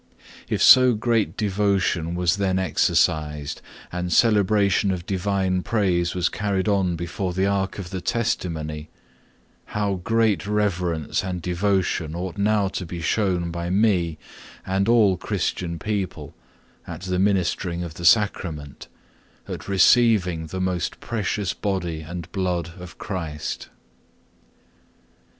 If so great devotion was then exercised, and celebration of divine praise was carried on before the Ark of the Testimony, how great reverence and devotion ought now to be shown by me and all Christian people at the ministering of the Sacrament, at receiving the most precious Body and Blood of Christ.